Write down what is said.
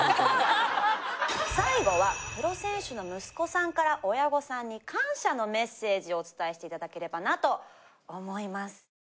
最後はプロ選手の息子さんから親御さんに感謝のメッセージをお伝えしていただければなと思います。